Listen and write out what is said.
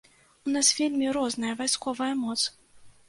У нас вельмі розная вайсковая моц.